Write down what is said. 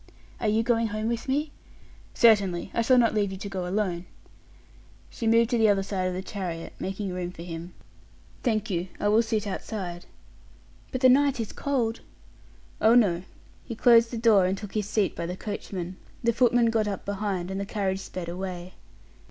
"Are you going home with me?" "Certainly; I shall not leave you to go alone." She moved to the other side of the chariot, making room for him. "Thank you. I will sit outside." "But the night is cold." "Oh, no." He closed the door, and took his seat by the coachman; the footman got up behind, and the carriage sped away.